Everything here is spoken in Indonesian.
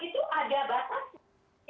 berpendapat itu ada batasnya